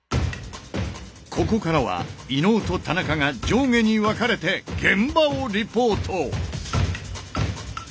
ここからは伊野尾と田中が上下に分かれて現場をリポート！